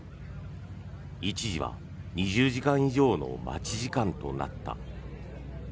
一時は、２０時間以上の待ち時間となった。